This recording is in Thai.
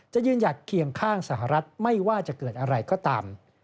ยืนหยัดเคียงข้างสหรัฐไม่ว่าจะเกิดอะไรก็ตาม